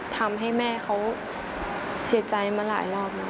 ทำให้แม่เขาเสียใจมาหลายรอบแล้ว